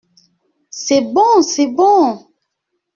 C’est bon ! c’est bon !